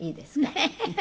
フフフフ！